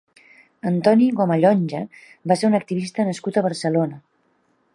Antoni Comallonge va ser un activista nascut a Barcelona.